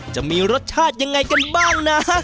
จะมีรสชาติยังไงกันบ้างนะ